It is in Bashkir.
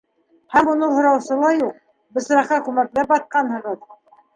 Һәм уны һораусы ла юҡ - бысраҡҡа күмәкләп батҡанһығыҙ.